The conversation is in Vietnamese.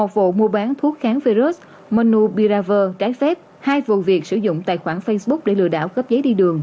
một vụ mua bán thuốc kháng virus monubirava trái phép hai vụ việc sử dụng tài khoản facebook để lừa đảo gấp giấy đi đường